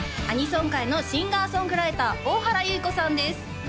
アニソン界のシンガーソングライター大原ゆい子さんです